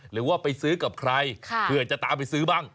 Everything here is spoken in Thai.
หรือว่าไปซื้อกับใครเผื่อจะตามไปซื้อบ้าง